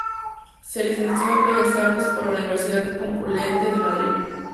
Se licenció en Bellas Artes por la Universidad Complutense de Madrid.